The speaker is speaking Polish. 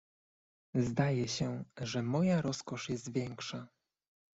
"Zdaje się, że moja rozkosz jest większa."